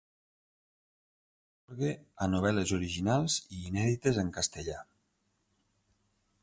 S'atorga a novel·les originals i inèdites en castellà.